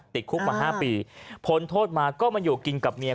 ติดคุกมา๕ปีพ้นโทษมาก็มาอยู่กินกับเมีย